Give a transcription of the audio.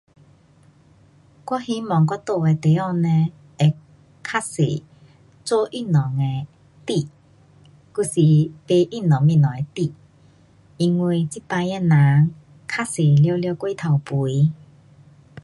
我希望我住的地方呢会较多做运动的店，还是买运动东西的店。因为这次的人较多全部过头肥。